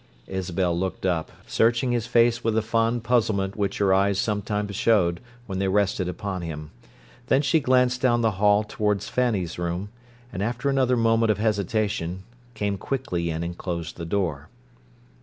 Isabel looked up, searching his face with the fond puzzlement which her eyes sometimes showed when they rested upon him; then she glanced down the hall toward Fanny's room, and, after another moment of hesitation, came quickly in, and closed the door.